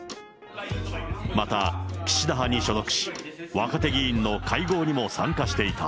また、岸田派に所属し、若手議員の会合にも参加していた。